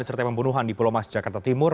serta pembunuhan di pulau mas jakarta timur